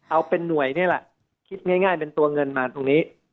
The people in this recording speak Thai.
เอาเป็นหน่วยนี่แหละคิดง่ายเป็นตัวเงินมาตรงนี้